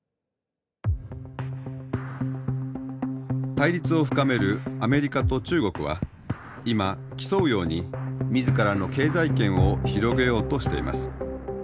対立を深めるアメリカと中国は今競うように自らの経済圏を広げようとしています。